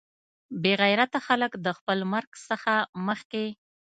بې غیرته خلک د خپل مرګ څخه مخکې.